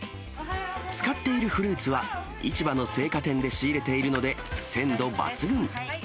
使っているフルーツは、市場の青果店で仕入れているので、鮮度抜群。